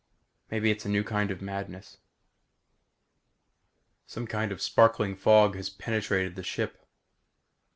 Maybe it's a new kind of madness.... Some of the sparkling fog has penetrated the ship.